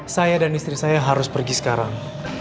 saya dan istri saya harus pergi sekarang